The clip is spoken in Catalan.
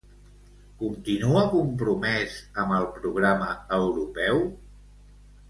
Continua compromès amb el programa europeu?